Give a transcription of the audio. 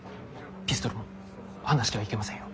ピストルも離してはいけませんよ。